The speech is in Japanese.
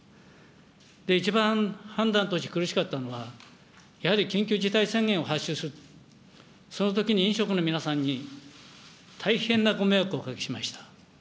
一番判断として苦しかったのは、やはり緊急事態宣言を発出する、そのときに飲食の皆さんに大変なご迷惑をおかけしました。